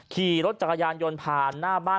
ขี่รถจักรยานยนต์ผ่านหน้าบ้าน